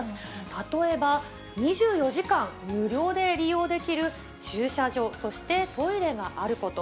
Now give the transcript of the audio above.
例えば、２４時間無料で利用できる駐車場、そしてトイレがあること。